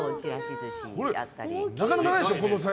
なかなかないですよ